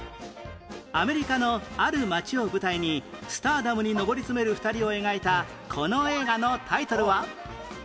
アメリカのある街を舞台にスターダムに上り詰める２人を描いたこの映画のタイトルは？